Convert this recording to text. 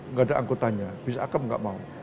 nggak ada angkutannya bis akap nggak mau